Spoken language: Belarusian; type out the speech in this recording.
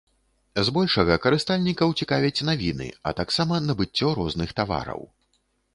Збольшага карыстальнікаў цікавяць навіны, а таксама набыццё розных тавараў.